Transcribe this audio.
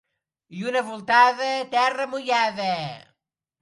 Lluna voltada, terra mullada.